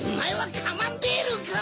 カマンベールくん？